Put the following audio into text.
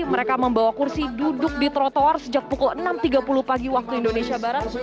mereka membawa kursi duduk di trotoar sejak pukul enam tiga puluh pagi waktu indonesia barat